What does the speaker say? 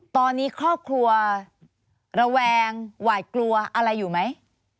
ตอนนี้ครอบครัวระแวงหวาดกลัวอะไรอยู่ไหม